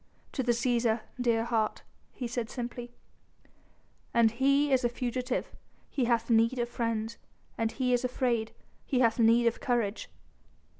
"To the Cæsar, dear heart," he said simply; "an he is a fugitive he hath need of friends: an he is afraid, he hath need of courage."